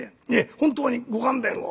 本当にご勘弁を」。